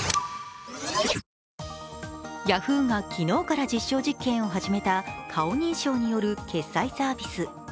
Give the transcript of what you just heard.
ヤフーが昨日から実証実験を始めた顔認証による決済サービス。